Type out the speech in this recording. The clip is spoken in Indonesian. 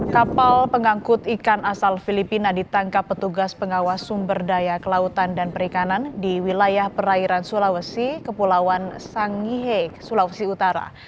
kapal pengangkut ikan asal filipina ditangkap petugas pengawas sumber daya kelautan dan perikanan di wilayah perairan sulawesi kepulauan sangihe sulawesi utara